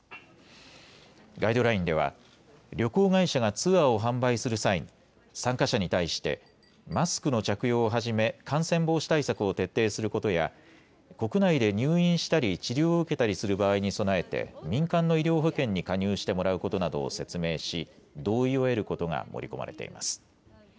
ガイドラインでは旅行会社がツアーを販売する際に参加者に対してマスクの着用をはじめ感染防止対策を徹底することや国内で入院したり治療を受けたりする場合に備えて民間の医療保険に加入してもらうことなどを説明し、同意を得ることが盛り込まれています。